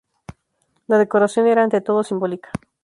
La decoración era ante todo simbólica.